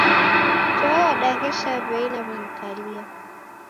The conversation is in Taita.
Toe wadaghesha w'ei naw'emkalia